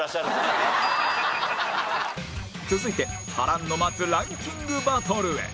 続いて波乱の待つランキングバトルへ